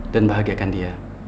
dan bahagia akan dia